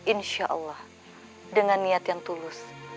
insyaallah dengan niat yang tulus